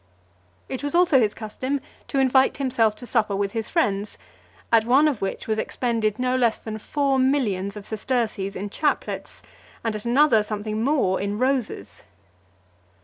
It was also his custom to invite (357) himself to supper with his friends; at one of which was expended no less than four millions of sesterces in chaplets, and at another something more in roses.